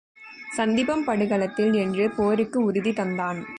சந்திப்போம் படுகளத்தில் என்று போருக்கு உறுதி தந்தான்.